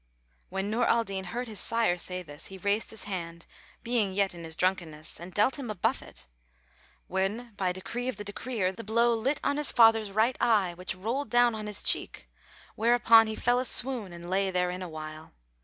When Nur al Din heard his sire say this, he raised his hand, being yet in his drunkenness, and dealt him a buffet, when by decree of the Decreer the blow lit on his father's right eye which rolled down on his cheek; whereupon he fell a swoon and lay therein awhile.